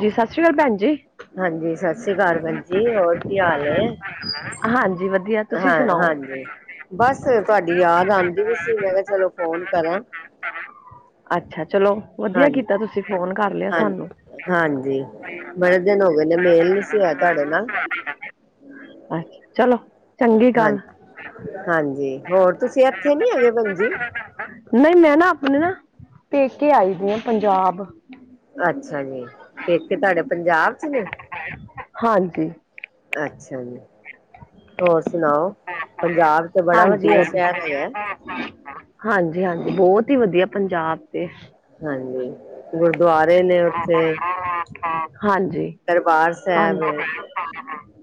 ਜੀ ਸਤਿ ਸ੍ਰੀ ਕਾਲ ਭੈਣ ਜੀ ਹਾਂਜੀ ਸਤਿ ਸ਼੍ਰੀ ਕਾਲ ਭੈਣ ਜੀ ਹੋਰ ਕੀ ਹਾਲ ਏ ਹਾਂਜੀ ਵਧੀਆ ਤੁਸੀਂ ਹਾਂ ਸੁਣਾਓ ਹਾਂਜੀ ਬਸ ਤੁਹਾਡੀ ਯਾਦ ਆਉਂਦੀ ਪੀ ਸੀ ਮੈਂ ਕਿਹਾ ਚਲੋ ਫੋਨ ਕਰਾ। ਅੱਛਾ ਚਲੋ ਵਧੀਆ ਹਾਂਜੀ ਕੀਤਾ ਤੁਸੀਂ ਫੋਨ ਕਰ ਲਿਆ ਹਾਂ ਸਾਨੂੰ। ਹਾਂਜੀ ਬੜੇ ਦਿਨ ਹੋ ਗਏ ਨੇ ਮੇਲ ਨਹੀਂ ਸੀ ਹੋਇਆ ਤੁਹਾਡੇ ਨਾਲ। ਅੱਛਾ ਚਲੋ। ਚੰਗੀ ਗੱਲ ਹਾਂਜੀ, ਹਾਂਜੀ ਹੋਰ ਤੁਸੀਂ ਇੱਥੇ ਨੀ ਹੈਗੇ ਭੈਣ ਜੀ? ਨਹੀਂ ਮੈਂ ਨਾ ਆਪਣੇ ਨਾ ਪੇਕੇ ਆਈ ਪੀਆ ਪੰਜਾਬ। ਅੱਛਾ ਜੀ, ਪੇਕੇ ਤੁਹਾਡੇ ਪੰਜਾਬ ਚ ਨੇ? ਹਾਂਜੀ। ਅੱਛਾ ਜੀ, ਹੋਰ ਸੁਣਾਓ? ਪੰਜਾਬ ਤੇ ਬੜਾ ਵਧੀਆ ਸ਼ਹਿਰ ਹੈਗਾ। ਹਾਂਜੀ, ਹਾਂਜੀ ਬਹੁਤ ਹੀ ਵਧੀਆ ਪੰਜਾਬ ਤੇ। ਹਾਂਜੀ ਗੁਰਦੁਆਰੇ ਨੇ ਉੱਥੇ। ਹਾਂਜੀ, ਦਰਬਾਰ ਸਾਹਿਬ ਹੈ ਹਾਂਜੀ,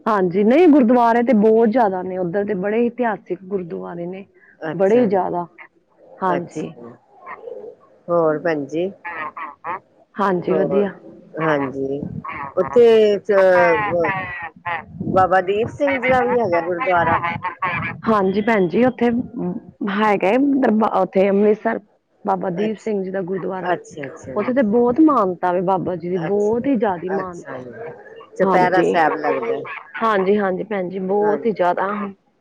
ਹਾਂਜੀ ਨਹੀਂ ਗੁਰੂ ਗੁਰਦੁਆਰੇ ਤੇ ਬਹੁਤ ਜ਼ਿਆਦਾ ਨੇ ਉੱਧਰ ਦੇ ਬੜੇ ਇਤਿਹਾਸਿਕ ਗੁਰਦੁਆਰੇ ਨੇ। ਬੜੇ ਈ ਅੱਛਾ ਜੀ ਜ਼ਿਆਦਾ, ਹਾਂਜੀ। ਅੱਛਾ ਹੋਰ ਭੈਣਜੀ। ਹਾਂਜੀ ਹੋਰ ਵਧੀਆ ਹਾਂਜੀ। ਉੱਥੇ ਚ, ਬਾਬਾ ਦੀਪ ਸਿੰਘ ਜੀ ਦਾ ਵੀ ਹੈਗਾ ਗੁਰਦੁਆਰਾ? ਹਾਂਜੀ ਭੈਣਜੀ ਉੱਥੇ ਹੈਗਾ ਐ, ਉੱਥੇ ਅੰਮ੍ਰਿਤਸਰ। ਬਾਬਾ ਦੀਪ ਸਿੰਘ ਅੱਛਾ ਜੀ ਦਾ ਗੁਰਦੁਆਰਾ। ਅੱਛਾ ਜੀ। ਉੱਥੇ ਤੇ ਬਹੁਤ ਮਾਨਤਾ ਵ ਬਾਬਾ ਜੀ ਜੀ ਬਹੁਤ ਹੀ ਜ਼ਿਆਦਾ ਅੱਛਾ ਅੱਛਾ ਮਾਹਨਤਾ, ਜੀ ਚੁਪਹਿਰਾ ਹਾਂਜੀ। ਸਾਹਿਬ ਲੱਗਦਾ ਹਾਂਜੀ, ਹਾਂਜੀ ਭੈਣਜੀ ਬਹੁਤ ਹਾਂਜੀ ਹੀ ਜ਼ਿਆਦਾ।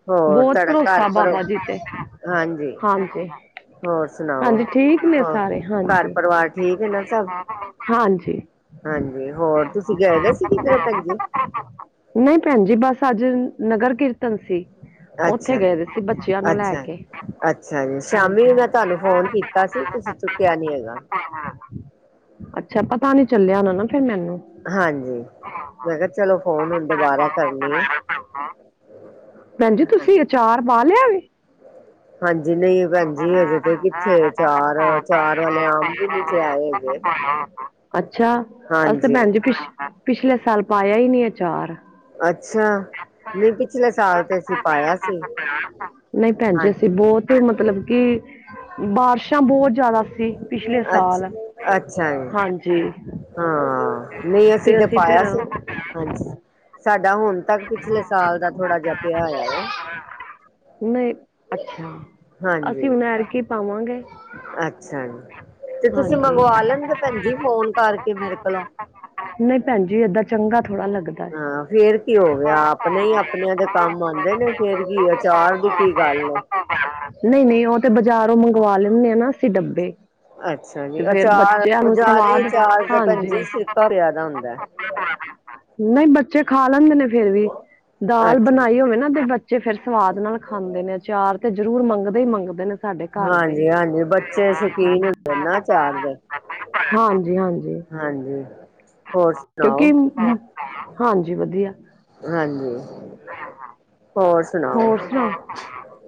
ਹੋਰ ਬੋਤ ਤੁਹਾਡਾ ਘਰ ਭਰੋਸਾ ਪਰ ਬਾਬਾ ਜੀ ਤੇ, ਹਾਂਜੀ ਹਾਂਜੀ। ਹੋਰ ਸੁਣਾਓ ਹਾਂਜੀ ਠੀਕ ਨੇ ਹਾਂ ਸਾਰੇ ਘਰ ਹਾਂਜੀ। ਪਰਿਵਾਰ ਠੀਕ ਹੈ ਨਾ ਸਭ ਹਾਂਜੀ। ਹਾਂਜੀ ਹੋਰ ਤੁਸੀਂ ਗਏ ਪੈ ਸੀ ਕਿਧਾਂਰੇ ਭੈਣ ਜੀ? ਨਹੀਂ ਭੈਣ ਜੀ ਬਸ ਅੱਜ ਨਗਰ ਕੀਰਤਨ ਸੀ। ਉੱਥੇ ਅੱਛਾ ਗਏ ਜੀ, ਦੇ ਸੀ ਬੱਚਿਆਂ ਨੂੰ ਲੈ ਅੱਛਾ ਕੇ ਅੱਛਾ ਜੀ, ਸ਼ਾਮੀ ਮੈਂ ਤੁਹਾਨੂੰ ਫੋਨ ਕੀਤਾ ਸੀ ਤੁਸੀਂ ਚੁੱਕਿਆ ਨੀ ਹੈਗਾ। ਅੱਛਾ ਪਤਾ ਨੀ ਚੱਲਿਆ ਹੋਣਾ ਨਾ ਫੇਰ ਮੈਨੂੰ। ਹਾਂਜੀ, ਮੈਂ ਕਿਹਾ ਚਲੋ ਫੋਨ ਹੁਣ ਦੁਬਾਰਾ ਕਰਨੀ ਆ। ਭੈਣ ਜੀ ਤੁਸੀਂ ਹਾਂਜੀ ਅਚਾਰ ਪਾ ਲਿਆ ਐ। ਹਾਂਜੀ ਨਹੀਂ ਭੈਣ ਜੀ [unintelligible] ਹਜੇ ਤੇ ਕਿੱਥੇ ਚਾਰ ਚਾਰ ਵਾਲੇ ਆਮ ਵੀ ਨੀ ਚ ਆਏ ਹੈਗੇ ਅੱਛਾ, ਅਸੀ ਤੇ ਹਾਂਜੀ ਭੈਣ ਜੀ ਪਿੱਛ ਪਿਛਲੇ ਸਾਲ ਪਾਇਆ ਈ ਨੀ ਆਚਾਰ। ਅੱਛਾ, ਨਹੀਂ ਪਿਛਲੇ ਸਾਲ ਤੇ ਅਸੀਂ ਪਾਇਆ ਸੀ ਹਾਂਜੀ। ਫੇਰ ਮਤਲਬ ਕੀ, ਬਾਰਿਸ਼ਾਂ ਬਹੁਤ ਜ਼ਿਆਦਾ ਸੀ। ਪਿਛਲੇ ਅੱਛ ਸਾਲ -ਅੱਛਾ ਜੀ। ਹਾਂਜੀ ਹਾਂ ਨਹੀਂ ਅਸੀਂ ਤੇ ਪਾਇਆ ਸੀ, ਹਾਂਜੀ। ਸਾਡਾ ਹੁਣ ਤੱਕ ਪਿਛਲੇ ਸਾਲ ਦਾ ਥੋੜਾ ਜਿਹਾ ਪਿਆ ਹੋਇਆ ਏ। ਨੀ ਅੱਛਾ, ਅਸੀਂ ਹਾਂਜੀ ਹੁਣ ਐਤਕੀ ਪਾਵਾਂਗੇ। ਅੱਛਾ ਜੀ, ਤੇ ਤੁਸੀਂ ਹਾਂਜੀ ਮੰਗਵਾ ਲੈਂਦੇ ਭੈਣ ਜੀ ਫੋਨ ਕਰਕੇ ਮੇਰੇ ਕੋਲੋਂ। ਨੀ ਭੈਣ ਜੀ ਏਦਾਂ ਚੰਗਾ ਥੋੜ੍ਹਾ ਲੱਗਦਾ। ਹੈ। ਹਾਂ ਫੇਰ ਕੀ ਹੋ ਗਿਆ ਆਪਣੇ ਹੀ ਆਪਣਿਆਂ ਦੇ ਕੰਮ ਆਉਂਦੇ ਨੇ, ਫੇਰ ਕੀ ਆਚਾਰ ਦੀ ਕੀ ਗੱਲ ਏ। ਨਹੀਂ ਨਹੀਂ ਉਹ ਤੇ ਬਾਜ਼ਾਰੋਂ ਮੰਗਵਾ ਲੈਂਦੇ ਆ ਨਾ, ਅਸੀਂ ਡੱਬੇ। ਅੱਛਾ ਜੀ ਤੇ ਫੇਰ ਅਚਾਰ ਬੱਚਿਆਂ ਨੂੰ ਬਜ਼ਾਰੀ ਸਵਾਦ ਅਚਾਰ ਨਹੀਂ ਤੇ ਭੈਣ ਆਂਦੇ। ਜੀ ਸਿਰਕਾ ਪਿਆ ਦਾ ਹੁੰਦਾ ਨਹੀਂ ਬੱਚੇ ਖਾ ਲੈਂਦੇ ਨੇ ਫੇਰ ਵੀ, ਦਾਲ ਅੱਛਾ ਬਣਾਈ ਹੋਵੇ ਨਾ ਤੇ ਤੇ ਫਿਰ ਸਵਾਦ ਨਾਲ ਖਾਂਦੇ ਨੇ, ਅਚਾਰ ਤੇ ਜਰੂਰ ਮੰਗਦੇ ਹੀ ਮੰਗਦੇ ਨੇ। ਸਾਡੇ ਘਰ ਦੇ ਹਾਂਜੀ, ਹਾਂਜੀ ਬੱਚੇ ਸ਼ੌਕੀਨ ਹੁੰਦੇ ਨਾ ਚਾਰ ਦੇ। ਹਾਂਜੀ ਇਹ ਤਾਂ ਹੈ ਹਾਂਜੀ, ਹਾਂਜੀ ਹਾਂਜੀ ਹੋਰ ਅੱਛਾ ਸੁਣਾਓ ਕਿਉਂਕਿ ਹੋਰ, ਹਾਂਜੀ ਵਧੀਆ ਹਾਂਜੀ, ਹੋਰ ਸੂ ਹੋਰ ਸੁਣਾਓ,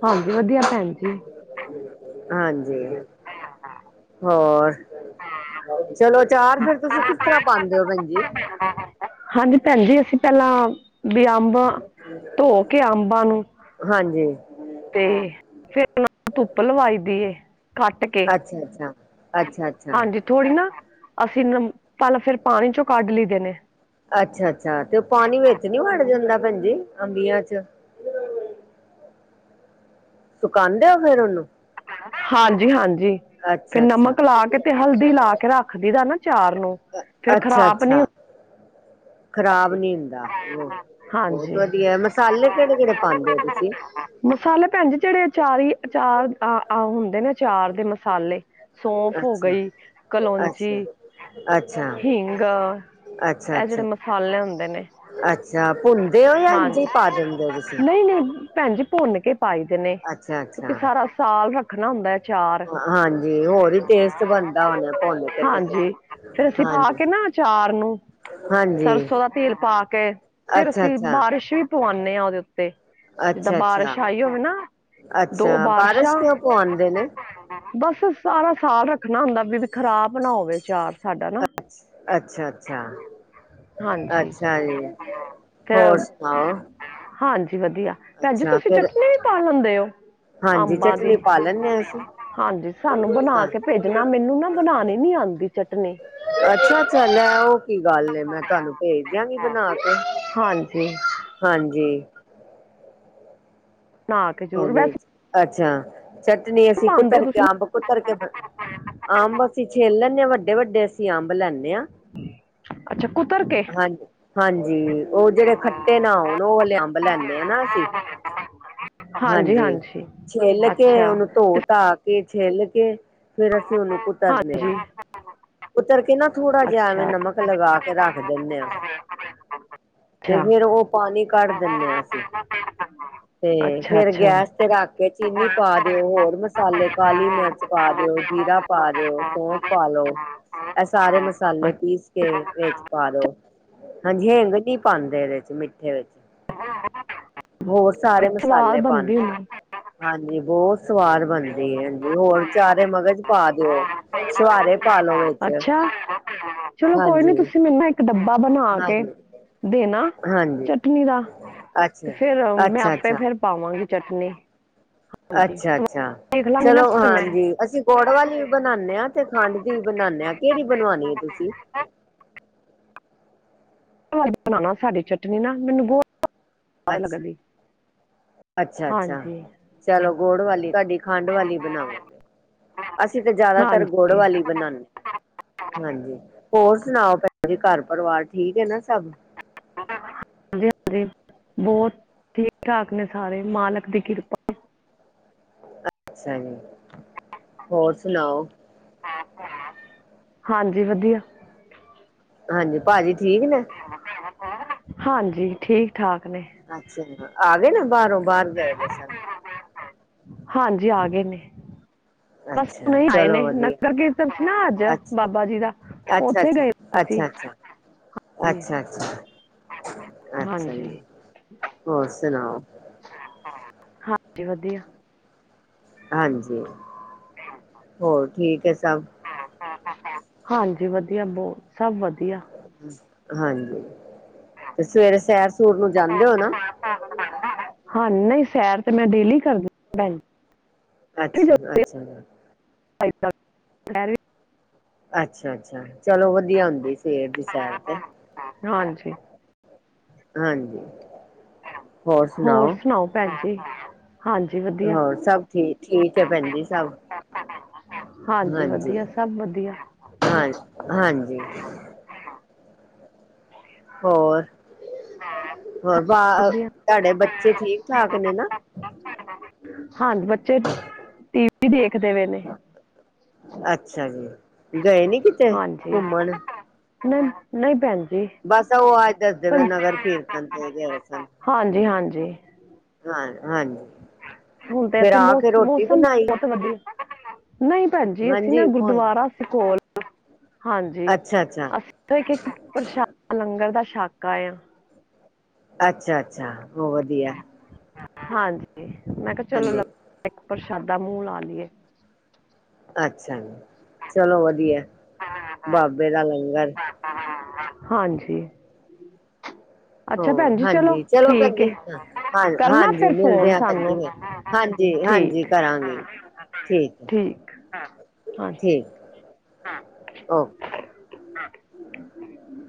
ਹਾਂਜੀ ਵਧੀਆ ਭੈਣ ਜੀ ਹਾਂਜੀ ਹੋਰ ਚਲੋ, ਅਚਾਰ ਫ਼ਿਰ ਤੁਸੀਂ ਕਿਸ ਤਰ੍ਹਾਂ ਪਾਉਂਦੇ ਹੋ ਭੈਣਜੀ? ਹਾਂਜੀ ਭੈਣ ਜੀ, ਅਸੀਂ ਪਹਿਲਾਂ ਬੀ ਅੰਬ ਬ ਧੋ ਕੇ ਅੰਬਾਂ ਨੂੰ ਹਾਂਜੀ ਤੇ ਫੇਿਰ ਉਹਨਾ ਨੂੰ ਧੁੱਪ ਲਵਾਈ ਦੀ ਏ, ਕੱਟ ਕੇ ਸੀ ਅੱਛਾ, ਅੱਛਾ-ਅੱਛਾ ਹਾਂਜੀ ਥੋੜ੍ਹੀ ਨਾ ਅਸੀਂ, ਨਮ ਪਹਿਲਾਂ ਫਿਰ ਪਾਣੀ 'ਚੋਂ ਕੱਢ ਲਈਦੇ ਨੇ ਅੱਛਾ-ਅੱਛਾ ਤੇ ਉਹ ਪਾਣੀ ਵਿੱਚ ਨੀ ਵੜ ਜਾਂਦਾ, ਭੈਣ ਜੀ ਅੰਬੀਆਂ 'ਚ ਸੁਕਾਂਦੇ ਹੋ ਫ਼ਿਰ ਓਹਨੂੰ? ਹਾਂਜੀ-ਹਾਂਜੀ ਤੇ ਅੱਛਾ-ਅੱਛਾ, ਨਮਕ ਲਾ ਕੇ ਤੇ ਹਲਦੀ ਲਾ ਕੇ ਰੱਖ ਦੀ ਦਾ ਨਾ ਅਚਾਰ ਨੂੰ, ਫੇਰ ਖ਼ਰਾਬ ਨੀ ਅੱਛਾ-ਅੱਛਾ। ਖ਼ਰਾਬ ਨੀ ਹੁੰਦਾ, ਬਹੁਤ ਹਾਂਜੀ ਵਧੀਆ, ਮਸਾਲੇ ਕਿਹੜੇ-ਕਿਹੜੇ ਪਾਉਦੇ ਹੋ ਤੁਸੀਂ? ਮਸਾਲੇ ਭੈਣ ਜੀ ਜਿਹੜੇ ਅਚਾਰੀ, ਅਚਾਰ ਆ ਹੁੰਦੇ ਨੇ ਅਚਾਰ ਦੇ ਮਸਾਲੇ ਸੌਫ ਹੋ ਅੱਛਾ, ਗਈ, ਅੱਛਾ, ਕਲੋਂਜੀੀ, ਹਿੰਗ ਜਿਹੜੇ ਮਸਾਲੇ ਹੁੰਦੇ ਨੇ ਅੱਛਾ-ਅੱਛਾ-ਅੱਛਾ, ਭੁੰਨਦੇ ਹੋ ਜਾਂ ਇੰਝ ਪਾ ਦਿੰਦੇ ਹੋ ਤੁਸੀਂ? ਭੈਣਜੀ ਭੁੰਨ ਕੇ ਪਾਈ ਦੇ ਨੇ, ਕਿਉਂਕਿ ਅੱਛਾ-ਅੱਛਾ। ਸਾਰਾ ਸਾਲ ਰੱਖਣਾ ਹੁੰਦਾ ਹੈ ਅਚਾਰ। ਹਾਂਜੀ, ਹੋਰ ਹੀ ਟੇਸਟ ਬਣਦਾ ਹੋਨਾਂ ਭੁਨ ਕੇ ਭੁਨ ਫੇਰ ਅਸੀਂ ਪਾ ਕੇ ਨਾ ਅਚਾਰ ਨੂੰ ਹਾਂਜੀ ਸਰਸੋਂ ਦਾ ਤੇਲ ਪਾ ਕੇ, ਫ਼ਿਰ ਅਸੀਂ ਅੱਛਾ-ਅੱਛਾ। ਬਾਰਿਸ਼ ਵੀ ਪਵਾਂਦੇ ਹਾਂ ਉਹਦੇ ਉੱਤੇ ਤੇ ਜਿੱਦਾਂ ਅੱਛਾ-ਅੱਛਾ, ਬਾਰਿਸ਼ ਆਈ ਹੋਵੇ ਨਾ ਅੱਛਾ ਅੱਛਾ! ਦੋ ਬਾਰਿਸ਼ਾਂ ਬਾਰਿਸ਼ ਕਿਉਂ ਪਵਾਂਦੇ ਨੇ? ਬਸ ਸਾਰਾ ਸਾਲ ਰੱਖਣਾ ਹੁੰਦਾ ਵੀ ਖ਼ਰਾਬ ਨਾ ਹੋਵੇ, ਵਿ ਅਚਾਰ ਸਾਡਾ ਨਾ। ਅੱਛਾ-ਅੱਛਾ, ਹਾਂਜੀ ਅੱਛਾ ਜੀ, ਫਿਰ ਹੋਰ ਸੁਣਾਓ? ਹਾਂਜੀ ਵਧੀਆ ਭੈਣਜੀ ਅੱਛਾ ਤੁਸੀਂ ਫੇਰ ਚਟਨੀ ਵੀ ਪਾ ਲੈਂਦੇ ਹੋ, ਹਾਂਜੀ ਅੰਬਾਂ ਦੀ? ਚਟਨੀ ਪਾ ਲੈਂਦੇ ਹਾਂ ਅਸੀਂ ਹਾਂਜੀ ਸਾਨੂੰ ਬਣਾ ਹਾਂ ਕੇ ਭੇਜਣਾ, ਮੈਨੂੰ ਨਾ ਬਣਾਣੀ ਨੀ ਆਂਦੀ ਚਟਨੀ। ਅੱਛਾ-ਅੱਛਾ, ਲੈ ਉਹ ਕੀ ਗੱਲ ਏ, ਮੈਂ ਤੁਹਾਨੂੰ ਭੇਜ ਦਿਆਂਗੀ ਬਣਾ ਕੇ, ਹਾਂਜੀ ਹਾਂਜੀ। ਬਣਾ ਕੇ ਜ਼ਰੂਰ ਵੈਸੇ ਅੱਛਾ, ਚਟਨੀ ਅਸੀਂ ਪਾਉਂਦੇ ਹੋ ਕੁਤਰ ਕੇ ਤੁਸੀਂ ਅੰਬ ਕੁਤਰ ਕੇ ਬਣ ਅੰਬ ਅਸੀਂ ਛਿੱਲ ਲੈਂਨਦੇ ਹਾਂ, ਵੱਡੇ-ਵੱਡੇ ਅਸੀਂ ਅੰਬ ਲੈਦੇ ਹਾਂ। ਅੱਛਾ ਕੁਤਰ ਕੇ ਹਾਂਜੀ-ਹਾਂਜੀ, ਉਹ ਜਿਹੜੇ ਖੱਟੇ ਨਾ ਹੋਣ ਉਹ ਵਾਲੇ ਅੰਬ ਲੈਂਦੇ ਹਾਂ ਨਾਂ ਅਸੀਂ ਹਾਂਜੀ, ਛਿੱਲ ਕੇ ਅੱਛਾ ਉਹਨੂੰ ਧੋ ਧਾ ਕੇ, ਛਿੱਲ ਕੇ ਫ਼ਿਰ ਅਸੀਂ ਉਹਨੂੰ ਕੁਤਰਨੇ ਹਾਂ। ਹਾਂਜੀ ਅੱਛਾ। ਲਗਾ ਕੇ ਰੱਖ ਦਿੰਨੇ ਆ ਤੇ ਫੇਰ ਉਹ ਪਾਣੀ ਕੱਢ ਦਿੰਨੇ ਆ ਅਸੀਂ, ਤੇ ਅੱਛਾ ਫ਼ਿਰ ਅੱਛਾ ਗੈਸ ਤੇ ਰੱਖਕੇ ਚੀਨੀ ਪਾ ਦਿਓ, ਹੋਰ ਮਸਾਲੇ ਕਾਲੀ ਮਰਚ ਪਾ ਦਿਓ, ਜੀਰਾ ਪਾ ਦਿਓ ਸੋਂਫ ਪਾਲੋ, ਐ ਸਾਰੇ ਮਸਾਲੇ ਪੀਸਕੇ ਵਿੱਚ ਪਾਲੋ। ਹਾਂਜੀ ਹਿੰਗ ਨੀ ਪਾਂਦੇ ਇਹਦੇ'ਚ ਮਿੱਠੇ ਵਿੱਚ, ਹੋਰ ਸਾਰੇ ਮਸਾ ਸਵਾਲ ਬੰਦੀ ਹੁੰਦੀ ਹਾਂਜੀ, ਬ੍ਹੋਤ ਸਵਾਦ ਬਣਦੀ ਏ, ਹਾਂਜੀ, ਹੋਰ ਚਾਰੇ ਮਗਜ਼ ਪਾ ਦਿਓ, ਛੁਹਾਰੇ ਪਾਲੋ ਵਿੱਚ। ਅੱਛਾ ਚਲੋ ਕੋਈ ਨੀ, ਹਾਂਜੀ, ਤੁਸੀ ਮੈਨੂੰ ਇੱਕ ਡੱਬਾ ਬਨਾਕੇ ਹਾਂਜੀ, ਦੇਨਾ ਹਾਂਜੀ। ਚਟਨੀ ਦਾ, ਤੇ ਅੱਛਾ, ਫੇਰ ''ਮੈਂ ਅੱਛਾ, ਆਪੇ ਅੱਛਾ, ਫ਼ਿਰ ਪਾਵਾਂਗੀ ਚਟਨੀ। ਹਾਂਜੀ ਸਵਾਦ ਅੱਛਾ-ਅੱਛਾ, ਦੇਖ ਲਾਂਗੀ ਨਾ ਚਲੋ ਫਿਰ ਮੈਂ ਹਾਂਜੀ, ਅਸੀ ਗੋੜ ਵਾਲੀ ਵੀ ਬਣਾਂਨੇ ਆ, ਤੇ ਖੰਡ ਦੀ ਵੀ ਬਣਾਂਨੇ ਆ, ਕਿਹੜੀ ਬਣਵਾਣੀ ਏ ਤੁਸੀਂ? ਬਣਾਉਣਾ ਸਾਡੀ ਚਟਨੀ ਨਾ, ਮੀਨੂੰ ਬਹੁਤ ਸਵਾਦ ਲੱਗਦੀ। ਅੱਛਾ-ਅੱਛਾ, ਹਾਂਜੀ ਚਲੋ ਗੋੜ ਵਾਲੀ, ਤੁਹਾਡੀ ਖੰਡ ਵਾਲੀ ਬਣਾਉੰ। ਅਸੀਂ ਤੇ ਜਿਆਦਾਤਰ ਹਾਂਜੀ ਗੁੜ ਵਾਲੀ ਬਣਾਂਨੇ। ਹਾਂਜੀ, ਹੋਰ ਸੁਣਾਓ ਭੈਣ ਜੀ ਘਰ-ਪਰਿਵਾਰ ਠੀਕ ਏ ਨਾ, ਸਭ? ਹਾਂਜੀ-ਹਾਂਜੀ, ਬੋਤ ਠੀਕ-ਠਾਕ ਨੇ ਸਾਰੇ, ਮਾਲਕ ਦੀ ਕਿਰਪਾ ਅੱਸਾ ਜੀ, ਹੋਰ ਸੁਣਾਓ? ਹਾਂਜੀ, ਵਧੀਆ। ਹਾਂਜੀ, ਭਾਜੀ ਠੀਕ ਨੇ? ਹਾਂਜੀ, ਠੀਕ-ਠਾਕ ਨੇ। ਅੱਛਾ, ਆ ਗਏ ਨੇ ਬਾਹਰੋਂ, ਬਾਹਰ ਗਏ ਨੇ ਸਨ? ਹਾਂਜੀ, ਆ ਗਏ ਨੇ। ਬਸ, ਅੱਛਾ ਹੁਣੇ ਈ ਆਏ ਨੇ, ਚਲੋ ਵਧੀਆ ਨਗਰ ਕੀਰਤਨ ਸੀ ਨਾ ਅੱਜ, ਬਾਬਾ ਜੀ ਦਾ। ਉੱਥੇ ਅੱਛਾ-ਅੱਛਾ, ਗਏ ਸੀ ਅੱਛਾ-ਅੱਛਾ, ਹਾਂਜੀ ਅੱਛਾ-ਅੱਛਾ। ਹਾਂਜੀ। ਹੋਰ ਸੁਣਾਓ ਹਾਂਜੀ, ਵਧੀਆ। ਹਾਂਜੀ, ਹੋਰ ਠੀਕ ਏ ਸਭ? ਹਾਂਜੀ ਵਧੀਆ ਬਹੁਤ, ਸਭ ਵਧੀਆ। ਹਾਂਜੀ, ਤੇ ਸਵੇਰੇ ਸੈਰ-ਸੂਰ ਨੂੰ ਜਾਂਦੇ ਓ ਨਾ? ਹਾਂ, ਨਹੀਂ ਸੈਰ ਤੇ ''ਮੈਂ ਡੇਲੀ ਕਰਦੀ ਹਾਂ ਭੈਣ ਅੱਛਾ, ਅੱਛਾ। ਅਜੇ ਤਕ ਸੈਰ ਵੀ ਅੱਛਾ-ਅੱਛਾ, ਚਲੋ ਵਧੀਆ ਹੁੰਦੀ ਸਵੇਰ ਦੀ ਸੈਰ ਤੇ। ਹਾਂਜੀ। ਹਾਂਜੀ। ਹੋਰ ਸੁਣਾਓ ਭੈਣ ਜੀ, ਹਾਂਜੀ ਵਧ ਹਾਂ, ਸਭ ਠੀ, ਠੀਕ ਐ, ਭੈਣ ਜੀ ਸਭ। ਹਾਂਜੀ ਵਧੀਆ, ਸਭ ਵਧੀਆ। ਹਾਂ, ਹਾਂਜੀ। ਹੋਰ? ਹੋਰ ਬਾ ਵਧੀਆ ਤੁਹਾਡੇ ਬੱਚੇ ਠੀਕ-ਠਾਕ ਨੇ ਨਾ? ਹਾਂਜੀ ਬੱਚੇ, ਟੀਵੀ ਦੇਖਦੇ ਪਏ ਨੇ। ਅੱਛਾ ਜੀ, ਗਏ ਨੀ ਕਿਤੇ ਘੁੰਮਣ? [unintelligible] ਨਈ ਭੈਣ ਜੀ। ਬਸ ਉਹ ਅੱਜ ਦੱਸਦੇ ਪਏ ਭੈਣ- ਨਗਰ ਕੀਰਤਨ ਤੇ ਗਏ ਸਾ। ਹਾਂਜੀ - ਹਾਂਜੀ। ਹਾਂ -ਹਾਂਜੀ ਹੁਣ ਤੇ ਫਿਰ ਇੱਥੇ ਆ ਕੇ ਮੌਸ- ਰੋਟੀ ਬਣਾਈ? [unintelligible] ਨੂਈ ਭੈਣ ਜੀ, ਅਸੀਂ ਨਾ ਹਾਂਜੀ ਹੋਰ ਗੁਰਦੁਆਰਾ ਸੀ ਕੋਲ ਹਾਂਜੀ, ਅੱਛਾ ਅੱਛਾ ਅਸੀਂ ਤੇ ਇੱਕ-ਇੱਕ ਪ੍ਰਸ਼ਾਦ ਲੰਗਰ ਦਾ ਛੱਕ ਆਏ ਆ। ਅੱਛਾ- ਅੱਛਾ ਬੋਹ ਵਧੀਆ। ਹਾਂਜੀ ਮੈਂ ਕਿਹਾ, ਚਲੋ ਲੰਗਰ ਹਾਂਜੀ ਦਾਇੱਕ ਪ੍ਰਸ਼ਾਦਾ ਮੂੰਹ ਲਾ ਲਈਏ। ਅੱਛਾ, ਚਲੋ ਵਧੀਆ ਬਾਬੇ ਦਾ ਲੰਗਰ, [unintelligible] ਹਾਂਜੀ। ਅੱਛਾ ਹੋਰ ਭੈਣ ਜੀ ਹਾਂਜੀ, ਚਲੋ ਭੈਣ ਠੀਕ ਜੀ ਹ ਹੈ ਕਰਨਾ ਹਾਂਜੀ ਫਿਰ ਮਿਲਦੇ ਫੋਨ ਆ ਭੈਣ ਸਾਨੂੰ ਜੀ। ਹਾਂਜੀ- ਹਾਂਜੀ ਕਰਾਂਗੇ। ਹਾ ਠੀਕ ਹਾ ਹਾਂਜੀ। ਔ ਹੂੰ